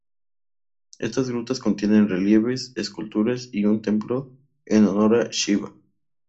Estás grutas contienen relieves, esculturas y un templo en honor a Shivá.